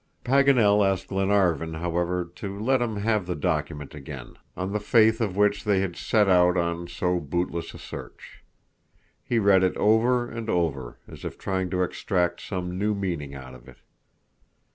Paganel asked Glenarvan, however, to let him have the document again, on the faith of which they had set out on so bootless a search. He read it over and over, as if trying to extract some new meaning out of it.